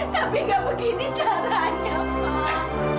tapi nggak begini caranya pak